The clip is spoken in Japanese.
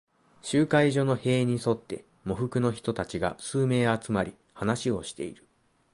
集会所の塀に沿って、喪服の人たちが数名集まり、話をしている。